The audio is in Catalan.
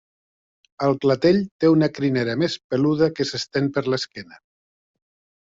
Al clatell té una crinera més peluda que s'estén per l'esquena.